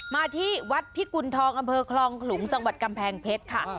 มาที่วัดพิกุณฑองอำเภอคลองขลุงจังหวัดกำแพงเพชรค่ะ